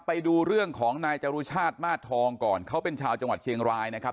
ไปดูเรื่องของนายจรุชาติมาสทองก่อนเขาเป็นชาวจังหวัดเชียงรายนะครับ